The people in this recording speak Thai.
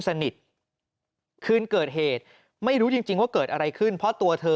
สนิทคืนเกิดเหตุไม่รู้จริงจริงว่าเกิดอะไรขึ้นเพราะตัวเธอ